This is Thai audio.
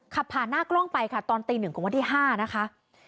ขับผ่านหน้ากล้องไปค่ะตอนตีหนึ่งของวันที่๕นะคะ